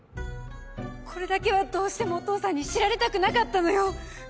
これだけはどうしてもお父さんに知られたくなかったのよ。